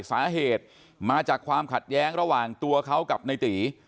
สาเหตุมาจากความขัดแย้งระหว่างตัวเขากับในตี